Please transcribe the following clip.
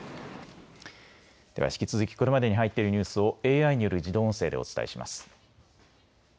では引き続きこれまでに入っているニュースをＡＩによる自動音声でお伝えします。